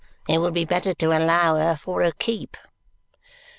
It would be better to allow her for her keep."